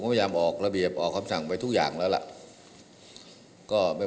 พยายามออกระเบียบออกคำสั่งไปทุกอย่างแล้วล่ะก็ไม่